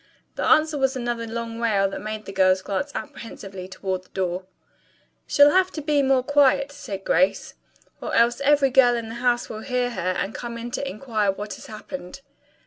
The answer was another long wail that made the girls glance apprehensively toward the door. "She'll have to be more quiet," said Grace, "or else every girl in the house will hear her and come in to inquire what has happened."